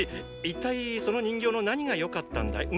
一体その人形の何がよかったんだい？